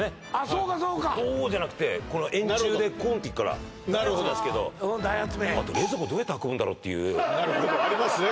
そうかそうかこうじゃなくて円柱でコンっていくから大発明なんですけどあと冷蔵庫どうやって運ぶんだろうっていうなるほどありますね